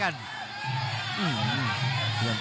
ข้างขวาเหมือนกัน